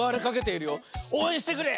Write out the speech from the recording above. おうえんしてくれ！